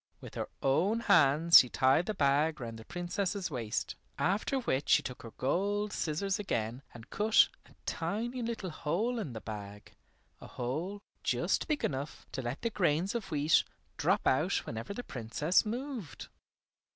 With her own hands she tied the bag round the Princess's waist, after which she took her gold scissors again and cut a tiny little hole in the bag, a hole just big enough to let the grains of wheat drop out whenever the Princess moved.